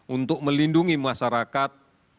untuk melindungi masyarakat